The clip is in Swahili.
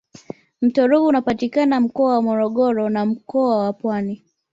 mto ruvu unapatikana mkoa wa morogoro na mkoa wa pwani